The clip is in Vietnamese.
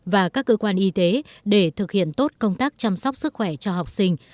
và các cơ quan y tế để thực hiện tốt công tác chăm sóc sức khỏe cho học sinh